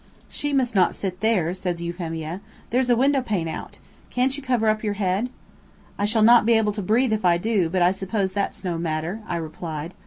"She must not sit there," said Euphemia. "There's a window pane out. Can't you cover up your head?" "I shall not be able to breathe if I do; but I suppose that's no matter," I replied.